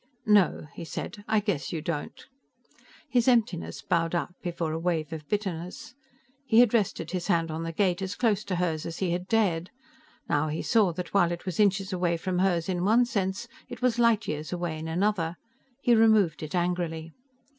"No," he said, "I guess you don't." His emptiness bowed out before a wave of bitterness. He had rested his hand on the gate, as close to hers as he had dared. Now he saw that while it was inches away from hers in one sense, it was light years away in another. He removed it angrily.